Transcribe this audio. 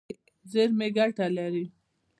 زیرمې ګټه لري.